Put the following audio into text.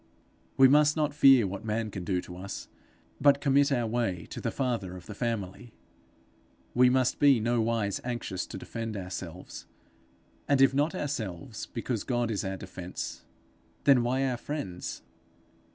We must not fear what man can do to us, but commit our way to the Father of the Family. We must be nowise anxious to defend ourselves; and if not ourselves because God is our defence, then why our friends?